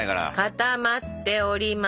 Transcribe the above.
固まっております。